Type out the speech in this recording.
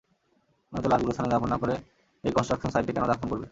নয়ত লাশ গোরস্থানে দাফন না করে এই কন্সট্রাকশন সাইটে কেন দাফন করবে!